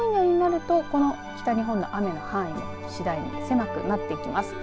今夜になるとこの北日本の雨の範囲次第に狭くなってきます。